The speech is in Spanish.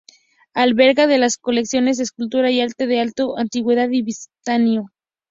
Alberga las colecciones de escultura y arte de la tardo-antigüedad y bizantino.